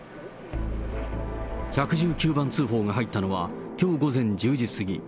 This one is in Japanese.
１１９番通報が入ったのは、きょう午前１０時過ぎ。